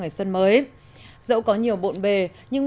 ngày xuân mới dẫu có nhiều bộn bề nhưng